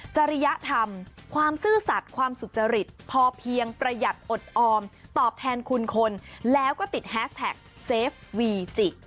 จริยธรรมความซื่อสัตว์ความสุจริตพอเพียงประหยัดอดออมตอบแทนคุณคนแล้วก็ติดแฮสแท็กเซฟวีจิ